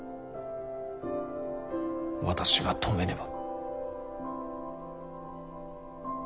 私が止めねば。